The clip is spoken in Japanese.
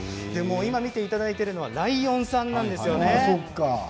今、見ていただいているのはライオンさんなんですよね。